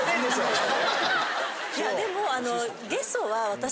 いやでも。